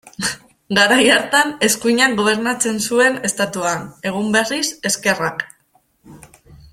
Garai hartan eskuinak gobernatzen zuen Estatuan, egun berriz, ezkerrak.